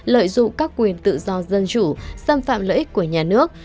lợi dụng các quyền tự do dân chủ xâm phạm lợi ích của nhà nước